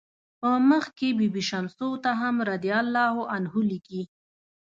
په مخ کې بي بي شمسو ته هم "رضی الله عنه" لیکي.